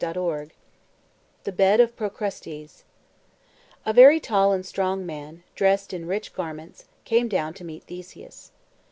THACKERAY THE BED OF PROCRUSTES A very tall and strong man, dressed in rich garments, came down to meet Theseus.